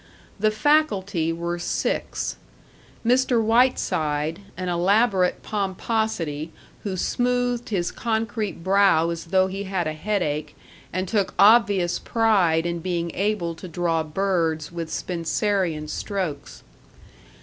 The faculty were six: Mr. Whiteside, an elaborate pomposity who smoothed his concrete brow as though he had a headache, and took obvious pride in being able to draw birds with Spencerian strokes.